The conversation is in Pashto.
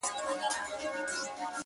دې راوړي دې تر گور باڼه